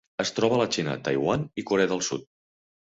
Es troba a la Xina, Taiwan i Corea del Sud.